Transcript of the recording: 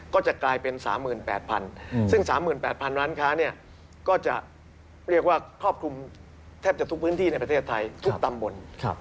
ก็จะกลายเป็น๓๘๐๐๐ซึ่ง๓๘๐๐ร้านค้าก็จะเรียกว่าครอบคลุมแทบจะทุกพื้นที่ในประเทศไทยทุกตำบล